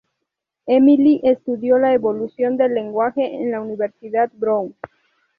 Emily estudió la evolución del lenguaje en la Universidad Brown.